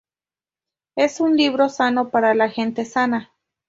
Es un libro sano, para la gente sana.